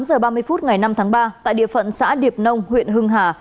khoảng một mươi tám h ba mươi phút ngày năm tháng ba tại địa phận xã điệp nông huyện hưng hà